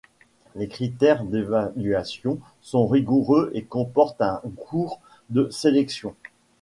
Les critères d'évaluation sont rigoureux et comporte un cours de sélection.